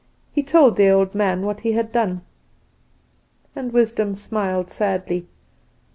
He told the old man what he had done. "And Wisdom smiled sadly.